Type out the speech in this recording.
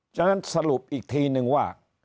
ฉะนั้นสรุปอีกทีนึงว่า